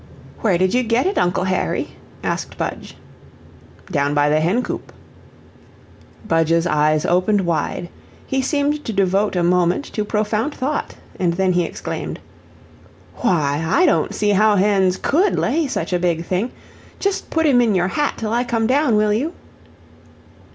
"Where did you get it, Uncle Harry?" asked Budge. "Down by the hen coop." Budge's eyes opened wide; he seemed to devote a moment to profound thought, and then he exclaimed: "Why, I don't see how the hens COULD lay such a big thing just put him in your hat till I come down, will you?"